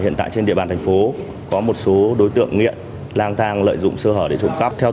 hiện tại trên địa bàn thành phố có một số đối tượng nghiện lang thang lợi dụng sơ hở để trộm cắp theo